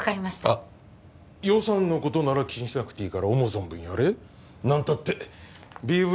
あっ予算のことなら気にしなくていいから思う存分やれ何たってＢＶ